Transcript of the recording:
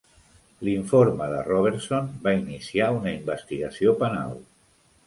L'informe de Robertson va iniciar una investigació penal.